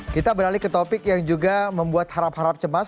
kita beralih ke topik yang juga membuat harap harap cemas